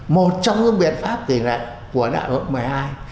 một trong những biện pháp thì này của đại hội một mươi hai